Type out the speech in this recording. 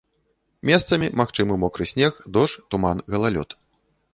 Месцамі магчымы мокры снег, дождж, туман, галалёд.